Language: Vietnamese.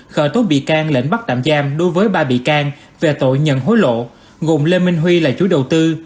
khởi tố bị can lệnh bắt tạm giam đối với ba bị can về tội nhận hối lộ gồm lê minh huy là chú đầu tư